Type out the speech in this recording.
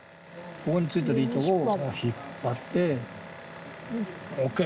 ここについてる糸を引っぱってオッケー。